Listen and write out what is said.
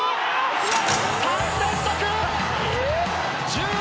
３連続！